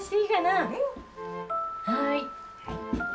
はい。